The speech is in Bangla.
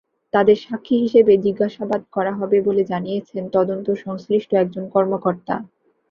তাঁদের সাক্ষী হিসেবে জিজ্ঞাসাবাদ করা হবে বলে জানিয়েছেন তদন্ত সংশ্লিষ্ট একজন কর্মকর্তা।